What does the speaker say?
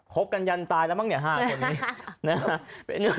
ครบกันยันตายแล้วสักคน